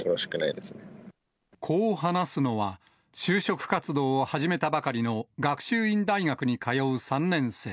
こう話すのは、就職活動を始めたばかりの学習院大学に通う３年生。